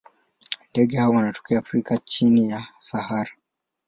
Ndege hawa wanatokea Afrika chini ya Sahara.